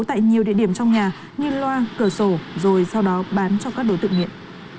tại nhiều địa điểm trong nhà như loa cửa sổ rồi sau đó bán cho các đối tượng nghiện